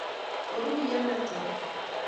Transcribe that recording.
oruyen ne tala